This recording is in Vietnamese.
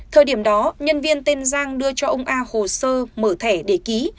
thời điểm đó nhân viên tên giang đưa cho ông a hồ sơ mở thẻ để ký